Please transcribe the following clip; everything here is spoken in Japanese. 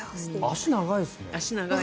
足長いですね。